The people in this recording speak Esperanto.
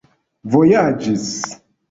vojaĝis